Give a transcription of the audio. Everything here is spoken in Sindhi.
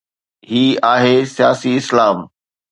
هي آهي ’سياسي اسلام‘.